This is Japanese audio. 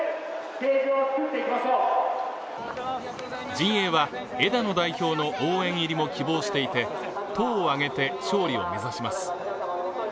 陣営は枝野代表の応援入りも希望していて党を挙げて勝利を目指します。